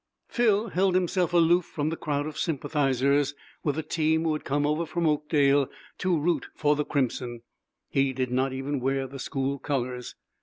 Phil held himself aloof from the crowd of sympathizers with the team who had come over from Oakdale to root for the crimson; he did not even wear the school colors.